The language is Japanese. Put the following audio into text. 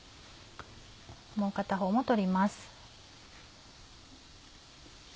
もう片方も取ります。